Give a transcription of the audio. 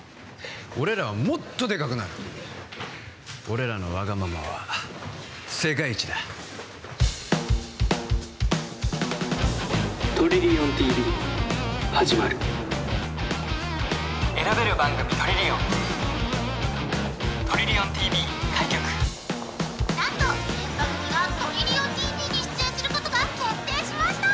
俺らはもっとデカくなる俺らのワガママは世界一だトリリオンＴＶ始まる選べる番組トリリオントリリオンＴＶ開局何とてんぱ組がトリリオンＴＶに出演することが決定しました！